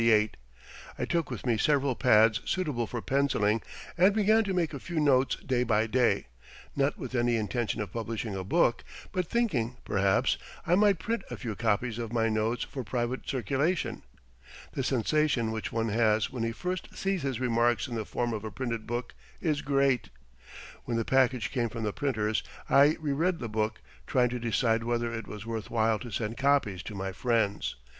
I took with me several pads suitable for penciling and began to make a few notes day by day, not with any intention of publishing a book; but thinking, perhaps, I might print a few copies of my notes for private circulation. The sensation which one has when he first sees his remarks in the form of a printed book is great. When the package came from the printers I re read the book trying to decide whether it was worth while to send copies to my friends.